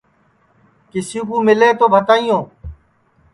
کسی کُو مِلے تومِسکُو بھتائیو